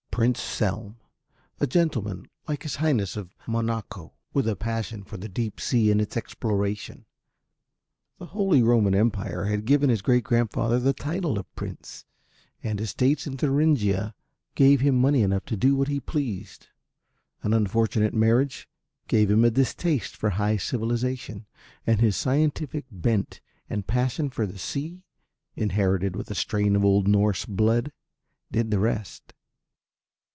Prince Selm, a gentleman like his Highness of Monaco with a passion for the deep sea and its exploration. The Holy Roman Empire had given his great grandfather the title of prince, and estates in Thuringia gave him money enough to do what he pleased, an unfortunate marriage gave him a distaste for High Civilization, and his scientific bent and passion for the sea inherited with a strain of old Norse blood did the rest.